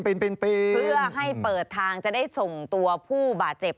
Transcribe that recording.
เป็นปีเพื่อให้เปิดทางจะได้ส่งตัวผู้บาดเจ็บ